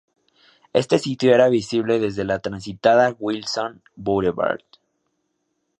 Este sitio era visible desde la transitada Wilson Boulevard.